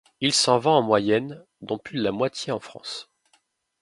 Il s'en vend en moyenne dont plus de la moitié en France.